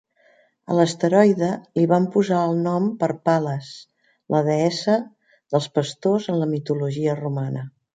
A l'asteroide li van posar el nom per Pales, la deessa dels pastors en la mitologia romana.